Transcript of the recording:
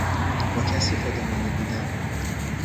با کسی خودمانی بودن